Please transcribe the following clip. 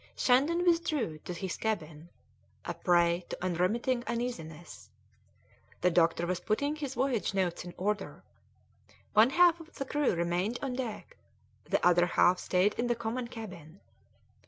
Shandon withdrew to his cabin, a prey to unremitting uneasiness; the doctor was putting his voyage notes in order; one half the crew remained on deck, the other half stayed in the common cabin.